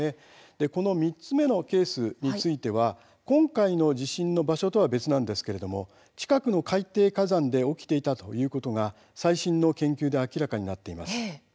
３つ目のケースについては今回の地震の場所とは別なんですが近くの海底火山で起きていたということが最新の研究で明らかになっています。